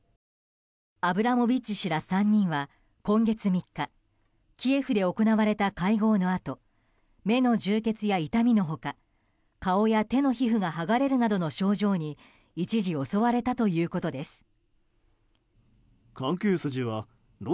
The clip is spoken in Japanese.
アブラモビッチ氏ら３人は今月３日キエフで行われた会合のあと目の充血や痛みの他顔や手の皮膚が剥がれるなどの症状に一時、襲われたということです。